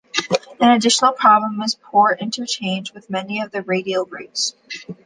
An additional problem is poor interchange with many of the radial routes.